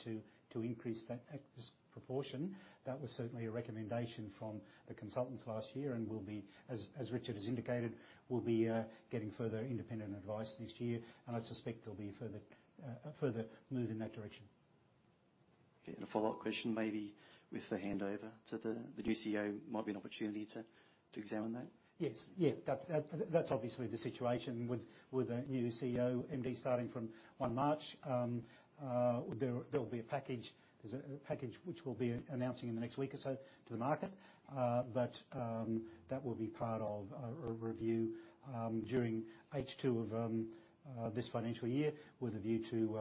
to increase that at-risk proportion. That was certainly a recommendation from the consultants last year, and we'll be, as Richard has indicated, we'll be getting further independent advice next year, and I suspect there'll be a further move in that direction. Okay, and a follow-up question, maybe with the handover to the new CEO, might be an opportunity to examine that? Yes. Yeah, that's obviously the situation with a new CEO, MD, starting from 1 March. There will be a package. There's a package which we'll be announcing in the next week or so to the market. But that will be part of a review during H2 of this financial year, with a view to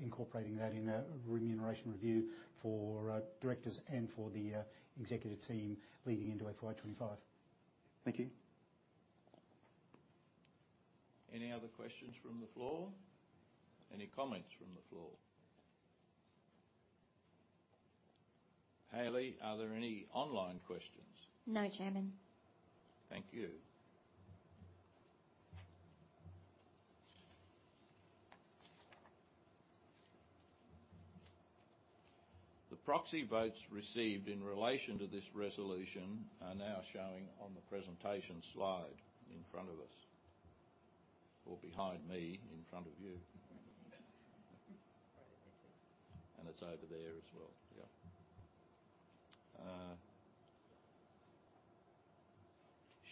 incorporating that in a remuneration review for directors and for the executive team leading into FY 25. Thank you. Any other questions from the floor? Any comments from the floor? Hayley, are there any online questions? No, Chairman. Thank you. The proxy votes received in relation to this resolution are now showing on the presentation slide in front of us, or behind me, in front of you. It's over there as well. Yeah.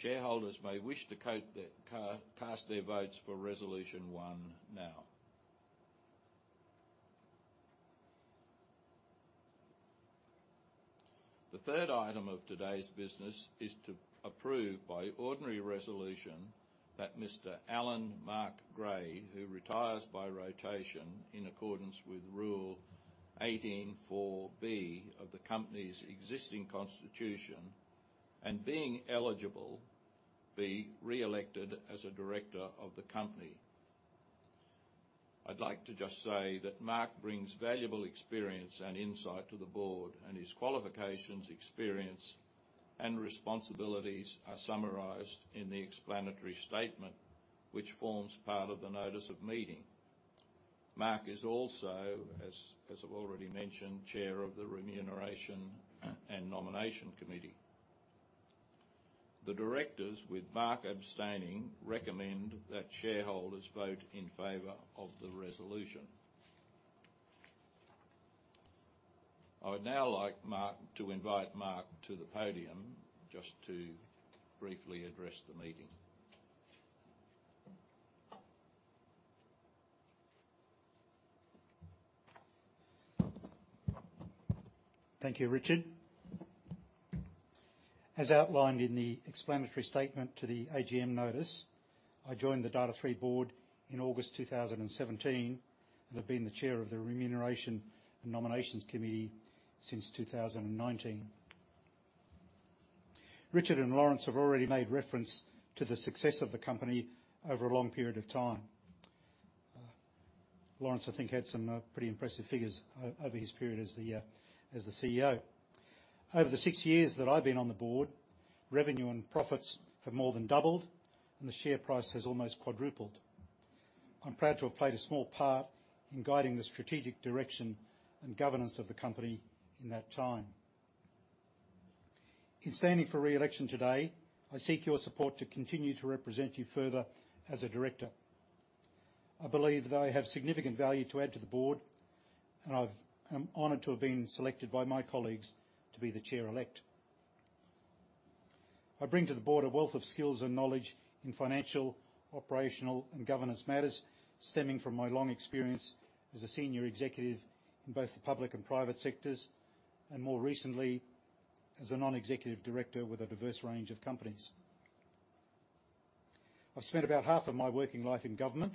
Shareholders may wish to cast their votes for Resolution 1 now. The third item of today's business is to approve by ordinary resolution that Mr. Mark Gray, who retires by rotation in accordance with Rule 18.4(b) of the company's existing constitution, and being eligible, be re-elected as a director of the company. I'd like to just say that Mark brings valuable experience and insight to the board, and his qualifications, experience, and responsibilities are summarized in the explanatory statement, which forms part of the notice of meeting. Mark is also, as I've already mentioned, chair of the Remuneration and Nomination Committee. The directors, with Mark abstaining, recommend that shareholders vote in favor of the resolution. I would now like Mark... to invite Mark to the podium just to briefly address the meeting. Thank you, Richard. As outlined in the explanatory statement to the AGM notice, I joined the Data#3 board in August 2017, and I've been the chair of the Remuneration and Nomination Committee since 2019. Richard and Laurence have already made reference to the success of the company over a long period of time. Laurence, I think, had some pretty impressive figures over his period as the CEO. Over the six years that I've been on the board, revenue and profits have more than doubled, and the share price has almost quadrupled. I'm proud to have played a small part in guiding the strategic direction and governance of the company in that time. In standing for re-election today, I seek your support to continue to represent you further as a director. I believe that I have significant value to add to the board, and I'm honored to have been selected by my colleagues to be the chair-elect. I bring to the board a wealth of skills and knowledge in financial, operational, and governance matters stemming from my long experience as a senior executive in both the public and private sectors, and more recently, as a non-executive director with a diverse range of companies. I've spent about half of my working life in government,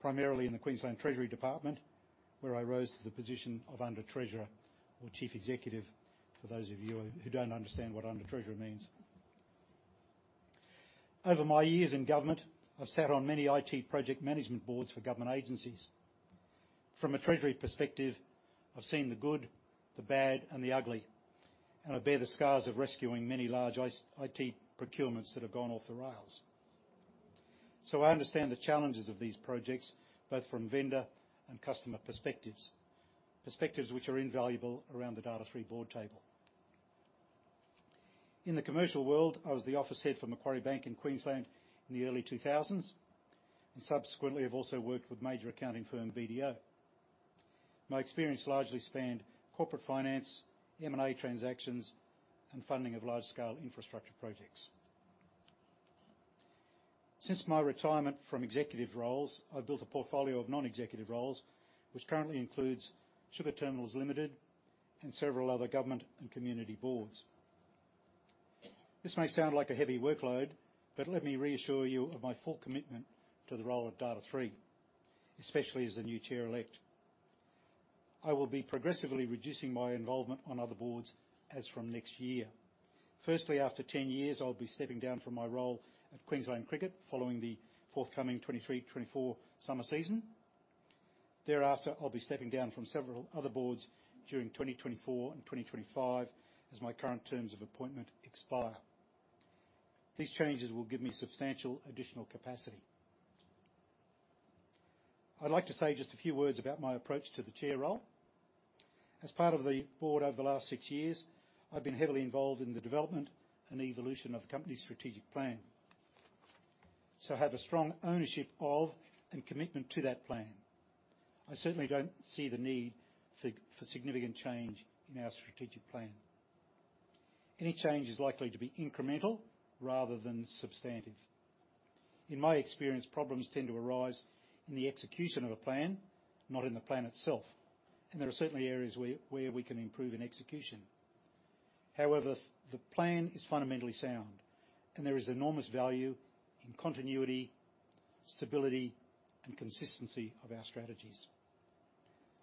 primarily in the Queensland Treasury Department, where I rose to the position of Under Treasurer or Chief Executive, for those of you who don't understand what Under Treasurer means. Over my years in government, I've sat on many IT project management boards for government agencies. From a treasury perspective, I've seen the good, the bad, and the ugly, and I bear the scars of rescuing many large ICT procurements that have gone off the rails. So I understand the challenges of these projects, both from vendor and customer perspectives, perspectives which are invaluable around the Data#3 board table. In the commercial world, I was the office head for Macquarie Bank in Queensland in the early 2000s, and subsequently, I've also worked with major accounting firm, BDO. My experience largely spanned corporate finance, M&A transactions, and funding of large-scale infrastructure projects. Since my retirement from executive roles, I've built a portfolio of non-executive roles, which currently includes Sugar Terminals Limited and several other government and community boards. This may sound like a heavy workload, but let me reassure you of my full commitment to the role of Data#3, especially as the new chair-elect. I will be progressively reducing my involvement on other boards as from next year. Firstly, after 10 years, I'll be stepping down from my role at Queensland Cricket, following the forthcoming 2023-2024 summer season. Thereafter, I'll be stepping down from several other boards during 2024 and 2025 as my current terms of appointment expire. These changes will give me substantial additional capacity. I'd like to say just a few words about my approach to the chair role. As part of the board over the last 6 years, I've been heavily involved in the development and evolution of the company's strategic plan, so I have a strong ownership of and commitment to that plan. I certainly don't see the need for significant change in our strategic plan. Any change is likely to be incremental rather than substantive. In my experience, problems tend to arise in the execution of a plan, not in the plan itself, and there are certainly areas where we can improve in execution. However, the plan is fundamentally sound, and there is enormous value in continuity, stability, and consistency of our strategies.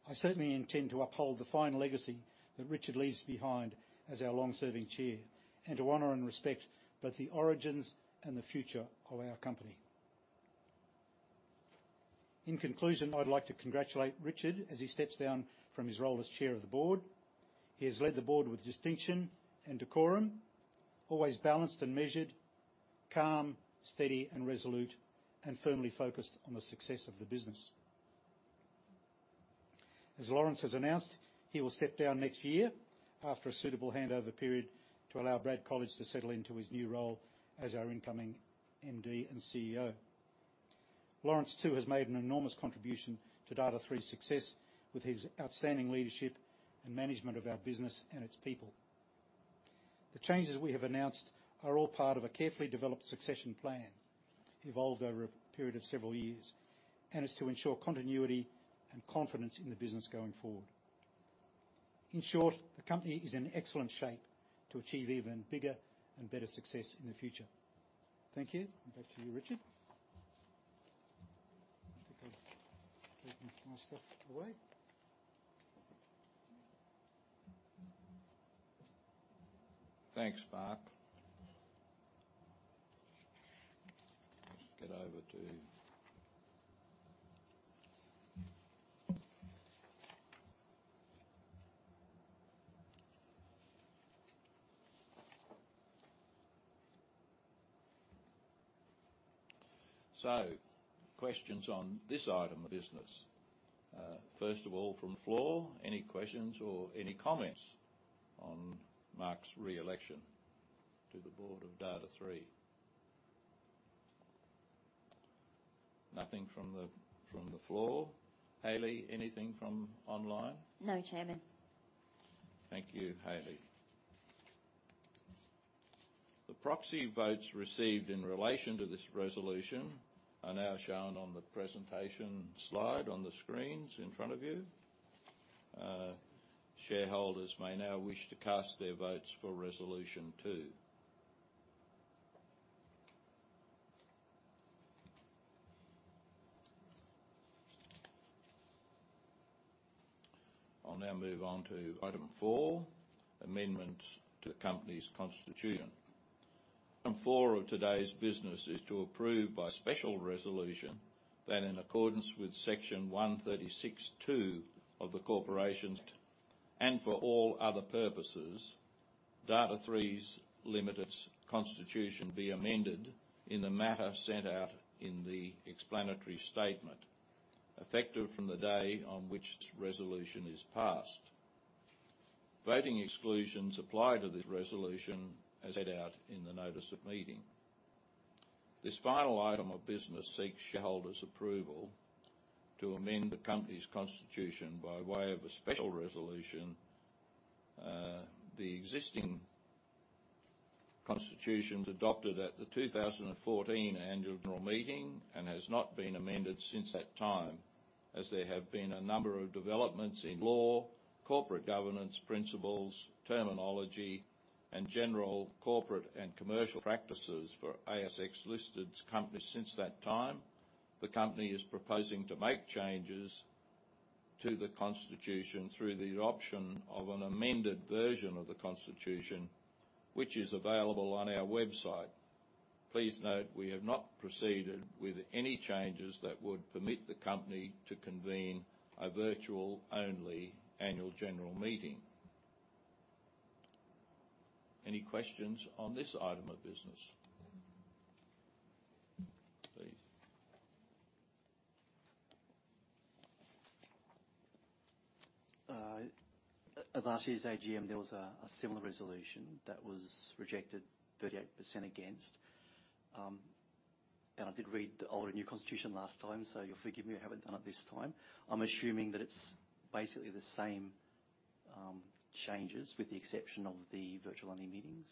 I certainly intend to uphold the fine legacy that Richard leaves behind as our long-serving Chair, and to honor and respect both the origins and the future of our company. In conclusion, I'd like to congratulate Richard as he steps down from his role as Chair of the Board. He has led the Board with distinction and decorum, always balanced and measured, calm, steady and resolute, and firmly focused on the success of the business. As Laurence has announced, he will step down next year after a suitable handover period to allow Brad Colledge to settle into his new role as our incoming MD and CEO. Laurence, too, has made an enormous contribution to Data#3's success with his outstanding leadership and management of our business and its people. The changes we have announced are all part of a carefully developed succession plan, evolved over a period of several years, and is to ensure continuity and confidence in the business going forward. In short, the company is in excellent shape to achieve even bigger and better success in the future. Thank you. Back to you, Richard. I think I've taken my stuff away. Thanks, Mark. So questions on this item of business. First of all, from the floor, any questions or any comments on Mark's re-election to the board of Data#3? Nothing from the floor. Hayley, anything from online? No, Chairman. Thank you, Hayley. The proxy votes received in relation to this resolution are now shown on the presentation slide on the screens in front of you. Shareholders may now wish to cast their votes for Resolution Two. I'll now move on to Item Four: Amendments to the Company's Constitution. Item Four of today's business is to approve, by special resolution, that in accordance with Section 136(2) of the Corporations Act, and for all other purposes, Data#3 Limited's constitution be amended in the manner set out in the explanatory statement, effective from the day on which the resolution is passed. Voting exclusions apply to this resolution as laid out in the notice of meeting. This final item of business seeks shareholders' approval to amend the company's constitution by way of a special resolution. The existing constitution was adopted at the 2014 Annual General Meeting and has not been amended since that time, as there have been a number of developments in law, corporate governance, principles, terminology, and general corporate and commercial practices for ASX-listed companies since that time. The company is proposing to make changes to the constitution through the adoption of an amended version of the constitution, which is available on our website. Please note, we have not proceeded with any changes that would permit the company to convene a virtual-only annual general meeting. Any questions on this item of business? Please. At last year's AGM, there was a similar resolution that was rejected, 38% against. And I did read the old and new constitution last time, so you'll forgive me, I haven't done it this time. I'm assuming that it's basically the same changes, with the exception of the virtual-only meetings?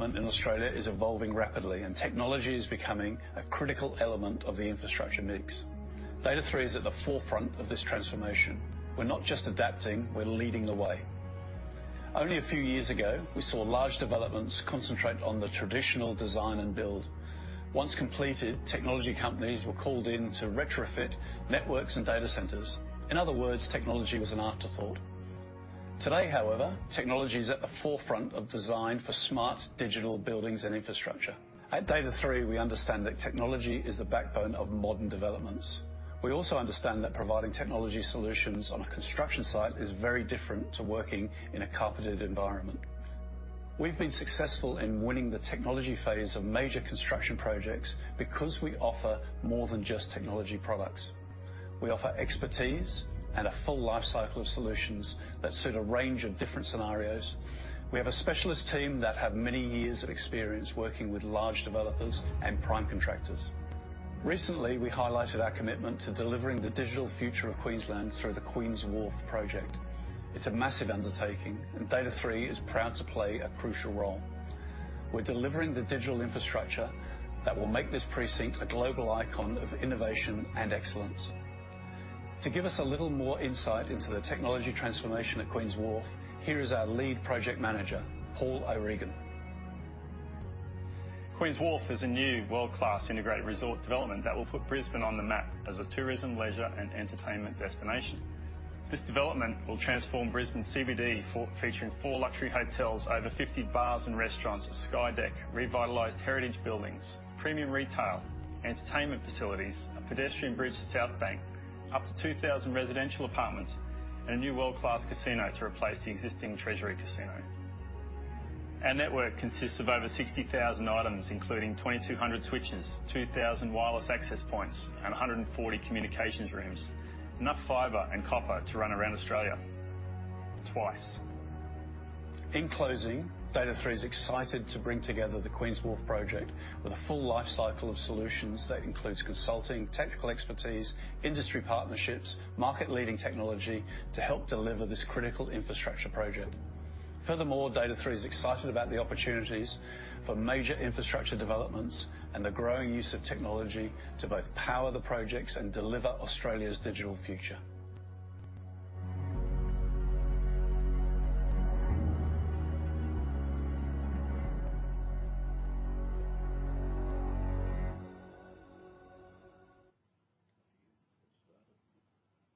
Yes, that is- Building and development in Australia is evolving rapidly, and technology is becoming a critical element of the infrastructure mix. Data#3 is at the forefront of this transformation. We're not just adapting, we're leading the way. Only a few years ago, we saw large developments concentrate on the traditional design and build. Once completed, technology companies were called in to retrofit networks and data centers. In other words, technology was an afterthought. Today, however, technology is at the forefront of design for smart digital buildings and infrastructure. At Data#3, we understand that technology is the backbone of modern developments. We also understand that providing technology solutions on a construction site is very different to working in a carpeted environment. We've been successful in winning the technology phase of major construction projects because we offer more than just technology products. We offer expertise and a full life cycle of solutions that suit a range of different scenarios. We have a specialist team that have many years of experience working with large developers and prime contractors. Recently, we highlighted our commitment to delivering the digital future of Queensland through the Queen's Wharf project. It's a massive undertaking, and Data#3 is proud to play a crucial role. We're delivering the digital infrastructure that will make this precinct a global icon of innovation and excellence. To give us a little more insight into the technology transformation at Queen's Wharf, here is our lead project manager, Paul O'Regan. Queen's Wharf is a new world-class integrated resort development that will put Brisbane on the map as a tourism, leisure, and entertainment destination. This development will transform Brisbane CBD, featuring 4 luxury hotels, over 50 bars and restaurants, a sky deck, revitalized heritage buildings, premium retail, entertainment facilities, a pedestrian bridge to South Bank, up to 2,000 residential apartments, and a new world-class casino to replace the existing Treasury Casino. Our network consists of over 60,000 items, including 2,200 switches, 2,000 wireless access points, and 140 communications rooms. Enough fiber and copper to run around Australia, twice. In closing, Data#3 is excited to bring together the Queen's Wharf project with a full life cycle of solutions that includes consulting, technical expertise, industry partnerships, market-leading technology to help deliver this critical infrastructure project. Furthermore, Data#3 is excited about the opportunities for major infrastructure developments and the growing use of technology to both power the projects and deliver Australia's digital future.